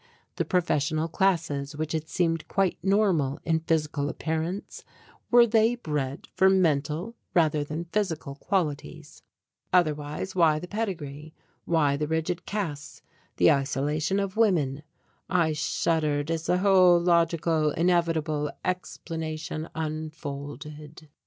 The professional classes which had seemed quite normal in physical appearance were they bred for mental rather than physical qualities? Otherwise why the pedigree, why the rigid castes, the isolation of women? I shuddered as the whole logical, inevitable explanation unfolded.